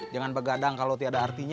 jangan begadang kalau tiada artinya